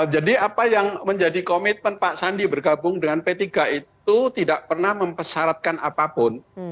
jadi apa yang menjadi komitmen pak sandi bergabung dengan p tiga itu tidak pernah mempesaratkan apapun